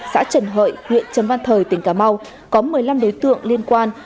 xã trần hợi huyện trần văn thời tỉnh cà mau có một mươi năm đối tượng liên quan